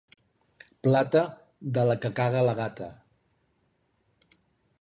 Plata, de la que caga la gata.